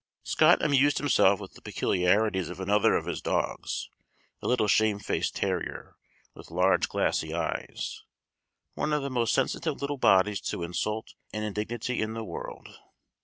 Scott amused himself with the peculiarities of another of his dogs, a little shamefaced terrier, with large glassy eyes, one of the most sensitive little bodies to insult and indignity in the world.